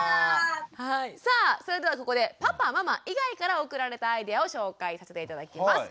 さあそれではここでパパママ以外から送られたアイデアを紹介させて頂きます。